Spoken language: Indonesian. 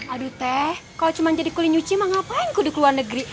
aduh teh kalau cuma jadi kulit nyuci mah ngapainku di luar negeri